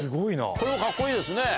これもカッコいいですね。